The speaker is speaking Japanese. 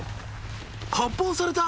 発砲された！